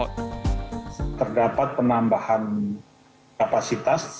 terdapat penambahan kapasitas